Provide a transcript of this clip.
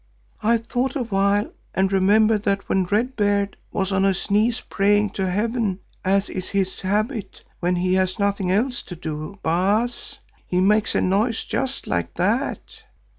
"I thought a while and remembered that when Red Beard was on his knees praying to Heaven, as is his habit when he has nothing else to do, Baas, he makes a noise just like that.